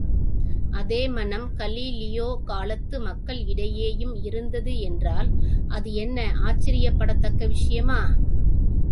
அதே மனம் கலீலியோ காலத்து மக்கள் இடையேயும் இருந்தது என்றால் அது என்ன ஆச்சரியப்படத்தக்க விஷயமா!